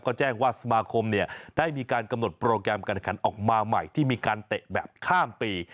ก็แจ้งว่าสมาคมเนี่ยได้มีการกำหนดโปรแกรมการขันออกมาใหม่ที่มีการเตะแบบข้ามปี